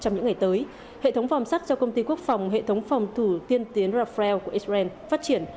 trong những ngày tới hệ thống vòm sắt do công ty quốc phòng hệ thống phòng thủ tiên tiến rafael của israel phát triển